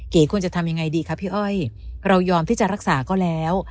ควรจะทำยังไงดีคะพี่อ้อยเรายอมที่จะรักษาก็แล้ว